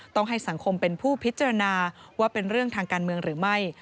ต้องให้สังคมเป็นผู้พิจารณาว่าเป็นเรื่องทางการเมืองหรือไม่